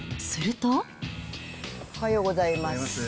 おはようございます。